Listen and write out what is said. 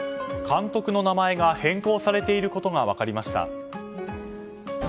監督の名前が変更されていることが分かりました。